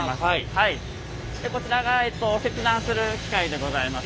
こちらが切断する機械でございます。